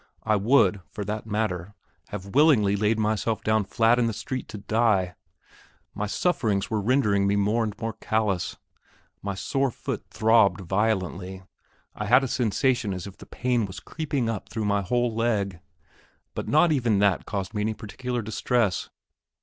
I would, for that matter, have willingly laid myself down flat in the street to die. My sufferings were rendering me more and more callous. My sore foot throbbed violently; I had a sensation as if the pain was creeping up through my whole leg. But not even that caused me any particular distress.